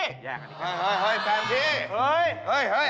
เฮ้ยแฟนพี่เฮ้ย